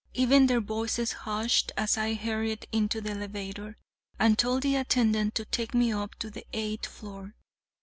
Even their voices hushed as I hurried into the elevator and told the attendant to take me up to the eighth floor.